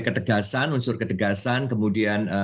ketegasan unsur ketegasan kemudian